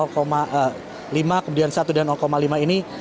lima kemudian satu dan lima ini